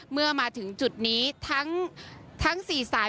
เมื่อมาถึงจุดนี้ทั้ง๔สาย